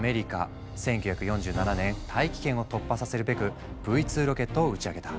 １９４７年大気圏を突破させるべくＶ２ロケットを打ち上げた。